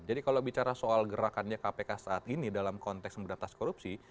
jadi kalau bicara soal gerakannya kpk saat ini dalam konteks mengurangkan korupsi